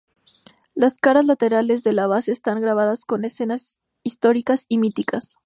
Las caras laterales de la base están grabadas con escenas históricas y míticas.